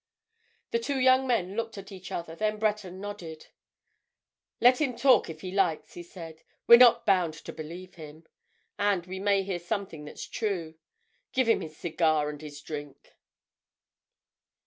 The two young men looked at each other. Then Breton nodded. "Let him talk if he likes," he said. "We're not bound to believe him. And we may hear something that's true. Give him his cigar and his drink."